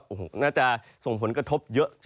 โอ้โหน่าจะส่งผลกระทบเยอะ